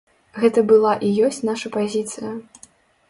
Гэта была і ёсць наша пазіцыя.